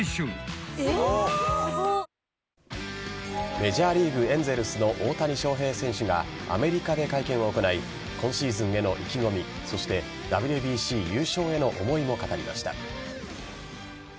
メジャーリーグエンゼルスの大谷翔平選手がアメリカで会見を行い今シーズンへの意気込みそしてＷＢＣ優勝への思いを語りました。